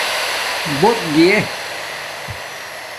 بݸوت گیے